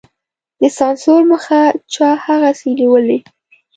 د سانسور مخه چا هغسې نېولې.